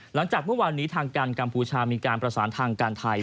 หลังจากเมื่อวานนี้ทางการกัมพูชามีการประสานทางการไทย